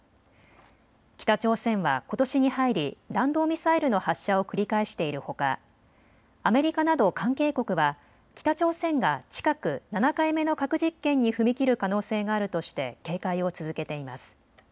北朝鮮はことしに入り弾道ミサイルの発射を繰り返しているほかアメリカなど関係国は北朝鮮が近く７回目の核実験に踏み切る可能性があるとして警戒を続けています。